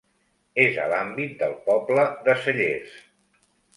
És a l'àmbit del poble de Cellers.